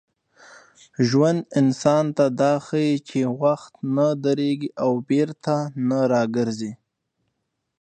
ژوند انسان ته دا ښيي چي وخت نه درېږي او بېرته نه راګرځي.